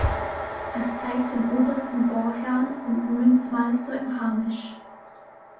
Es zeigt den obersten Bauherrn und Münzmeister im Harnisch.